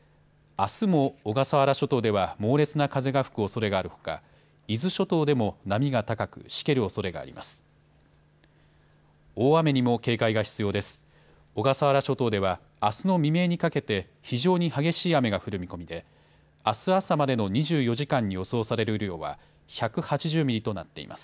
あすも小笠原諸島では猛烈な風が吹くおそれがあるほか伊豆諸島でも波が高くしけるおそれがあります。